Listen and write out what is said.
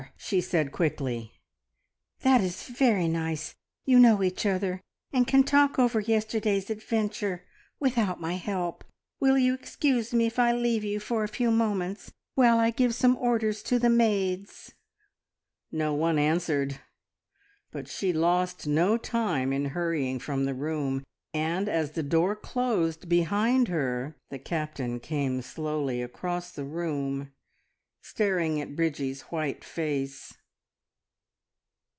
she said quickly. "That is very nice. You know each other, and can talk over yesterday's adventure without my help. Will you excuse me if I leave you for a few moments, while I give some orders to the maids?" No one answered, but she lost no time in hurrying from the room, and as the door closed behind her, the Captain came slowly across the room, staring at Bridgie's white face.